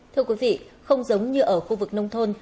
thưa quý vị không giống như ở khu vực nông thôn